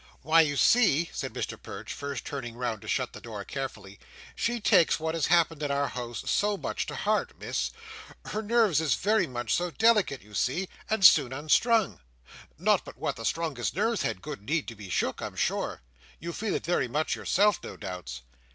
"Why, you see," said Mr Perch, first turning round to shut the door carefully, "she takes what has happened in our House so much to heart, Miss. Her nerves is so very delicate, you see, and soon unstrung. Not but what the strongest nerves had good need to be shook, I'm sure. You feel it very much yourself, no doubts."